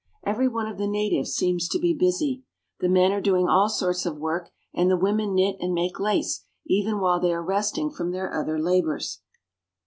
Every one of the natives seems to be busy. The men are doing all sorts of work, and the women knit and make lace even while they are resting from their other labors.